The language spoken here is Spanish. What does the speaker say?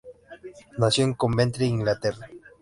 Nació en Coventry, Inglaterra.